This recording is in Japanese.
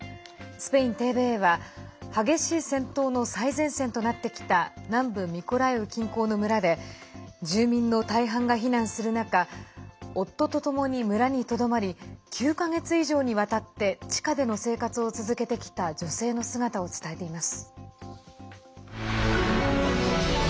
スペインＴＶＥは激しい戦闘の最前線となってきた南部ミコライウ近郊の村で住民の大半が避難する中夫とともに村にとどまり９か月以上にわたって地下での生活を続けてきた女性の姿を伝えています。